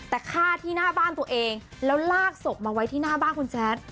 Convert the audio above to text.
แต่ฆ่าที่หน้าบ้านตัวเองแล้วลากศพมาไว้ที่หน้าบ้านคุณแจ๊ด